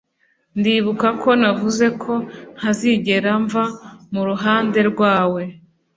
ndibuka ko navuze ko ntazigera mva mu ruhande rwawe